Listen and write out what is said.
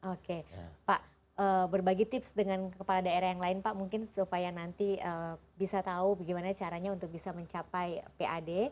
oke pak berbagi tips dengan kepala daerah yang lain pak mungkin supaya nanti bisa tahu bagaimana caranya untuk bisa mencapai pad